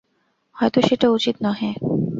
হয়তো সেটা উচিত নহে।